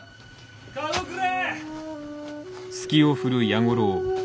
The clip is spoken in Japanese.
かごくれ！